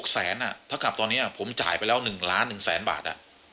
แสนเท่ากับตอนนี้ผมจ่ายไปแล้ว๑ล้าน๑แสนบาท